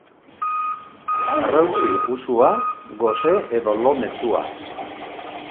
Aharrausi usua, gose edo lo mezua.